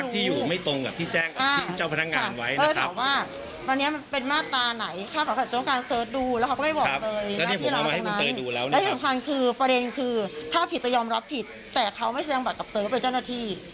แต่เขาไม่แจ้งแต่กับเต๋อคไปเจ้าหน้าที่